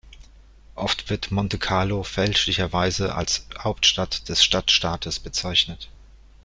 Oft wird Monte-Carlo fälschlicherweise als Hauptstadt des Stadtstaates bezeichnet.